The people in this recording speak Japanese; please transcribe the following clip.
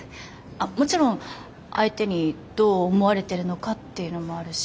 もちろん相手にどう思われてるのかっていうのもあるし。